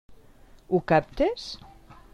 Ho captes?